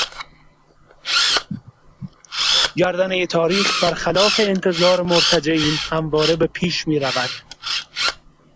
گردنهٔ تاریخ بر خلاف انتظار مرتجعین همواره به پیش میرود.